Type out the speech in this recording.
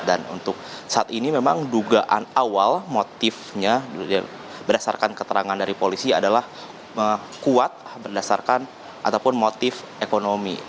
dan untuk saat ini memang dugaan awal motifnya berdasarkan keterangan dari polisi adalah kuat berdasarkan ataupun motif ekonomi